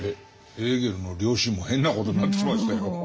ヘーゲルの良心も変なことになってきましたよ。